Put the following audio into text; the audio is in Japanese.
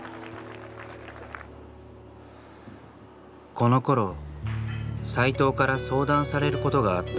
このころ斎藤から相談されることがあった。